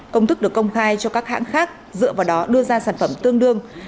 công thức được công khai cho các hãng khác dựa vào đó đưa ra sản phẩm tương đương